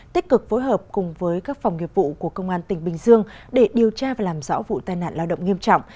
tích cực phối hợp cùng với các phòng nghiệp vụ của công an tỉnh bình dương để điều tra và làm rõ vụ tai nạn lao động nghiêm trọng